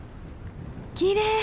きれい！